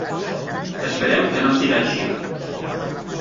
Esperem que no siga així.